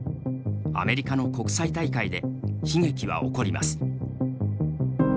アメリカの国際大会で悲劇は起こります。